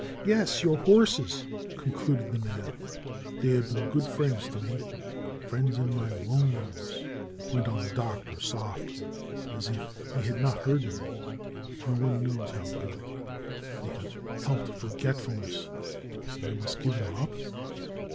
"Yes, your horses,^' concluded the man. "They have been good friends to me; friends in my loneliness," went on the Doctor softly, as if he had not heard the man. "No one knows how good ! They have helped forgetfulness. And must I give them up?"